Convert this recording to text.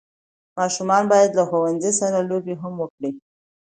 ماشومان باید له ښوونځي سره لوبي هم وکړي.